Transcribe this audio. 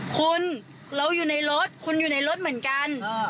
คุณเราอยู่ในรถคุณอยู่ในรถเหมือนกัน